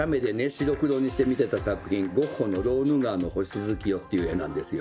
白黒にして見てた作品ゴッホの「ローヌ川の星月夜」っていう絵なんですよ。